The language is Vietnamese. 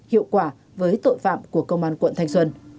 hiệu quả với tội phạm của công an quận thanh xuân